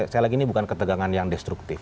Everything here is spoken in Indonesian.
saya lagi ini bukan ketegangan yang destruktif